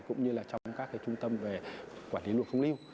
cũng như trong các trung tâm quản lý luật không lưu